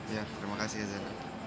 ya terima kasih ya zainab